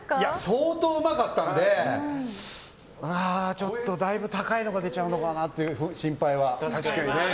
相当うまかったんでだいぶ高いのが出ちゃうのかなっていう心配は。